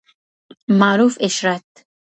معروف عِشرت: